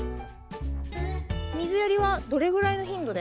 水やりはどれぐらいの頻度で。